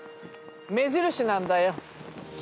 目印なんだよ。